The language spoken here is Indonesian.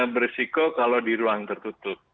berisiko kalau di ruang tertutup